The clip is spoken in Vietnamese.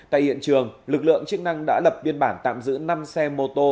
tại hiện trường lực lượng chức năng đã lập biên bản tạm giữ năm xe mô tô